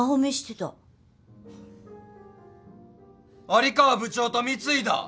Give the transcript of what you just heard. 有川部長と三津井だ！